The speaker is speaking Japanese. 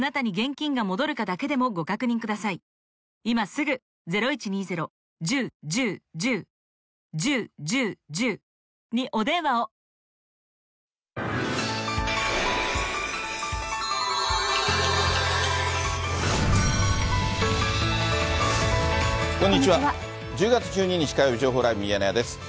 １０月１２日火曜日、情報ライブミヤネ屋です。